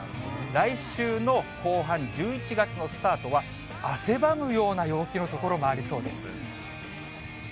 来週の後半、１１月のスタートは汗ばむような陽気の所もありそうです。